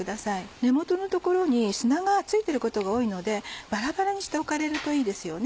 根元の所に砂が付いてることが多いのでバラバラにしておかれるといいですよね。